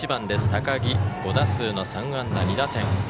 高木、５打数の３安打２打点。